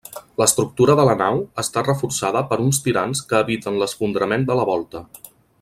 L'estructura de la nau està reforçada per uns tirants que eviten l'esfondrament de la volta.